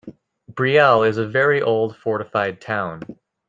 Brielle is a very old, fortified town.